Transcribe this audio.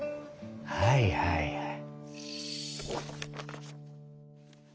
はいはいはい。